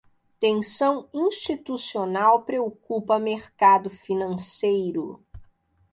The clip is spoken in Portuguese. Tensão institucional preocupa mercado financeiro